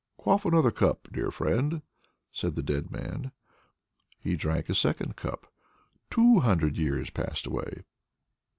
"Quaff another cup, dear friend!" said the dead man. He drank a second cup two hundred years passed away.